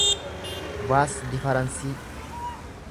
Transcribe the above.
vaas difaransi